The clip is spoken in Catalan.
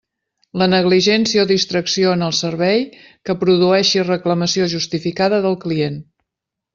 La negligència o distracció en el servei que produeixi reclamació justificada del client.